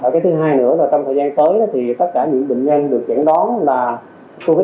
cái thứ hai nữa là trong thời gian tới thì tất cả những bệnh nhân được dẫn đón là covid một mươi chín